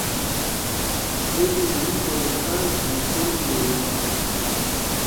اے دی مُھن کوہیستان سی سیل گے یے معشوقا